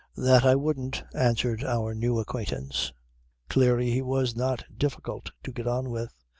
"That I wouldn't," answered our new acquaintance. Clearly he was not difficult to get on with.